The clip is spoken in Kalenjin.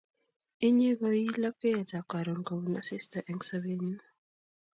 Inye ko i u lapkeyet ap karon kopun asista eng' sobennyu